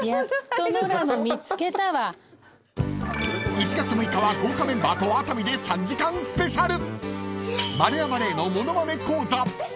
［１月６日は豪華メンバーと熱海で３時間スペシャル］